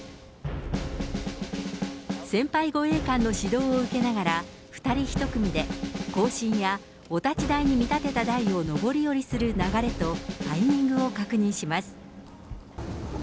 先輩護衛官の指導を受けながら、２人１組で行進やお立ち台に見立てた台を上り下りする流れとタイミングを確認します。